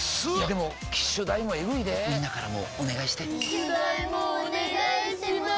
でも機種代もエグいでぇみんなからもお願いして機種代もお願いします